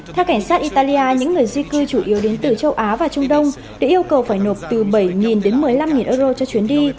theo cảnh sát italia những người di cư chủ yếu đến từ châu á và trung đông được yêu cầu phải nộp từ bảy đến một mươi năm euro cho chuyến đi